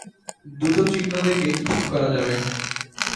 দুটো চিহ্ন দেখেই ঠিক করা যাবে।